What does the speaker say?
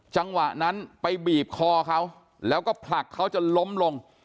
จังหวะนั้นไปบีบคอเขาแล้วก็ผลักเขาจนล้มลง